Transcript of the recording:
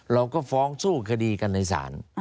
เราก็ฟ้องสู้คดีกันในศาล